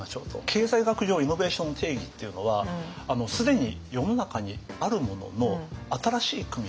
経済学上イノベーションの定義っていうのはすでに世の中にあるものの新しい組み合わせ。